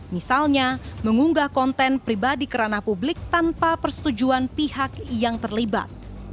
misalnya mengunggah konten pribadi ke ranah publik tanpa persetujuan pihak yang terlibat